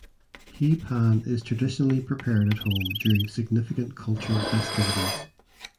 Hee pan is traditionally prepared at home during significant cultural festivities.